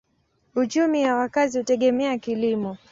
Uchumi ya wakazi hutegemea kilimo.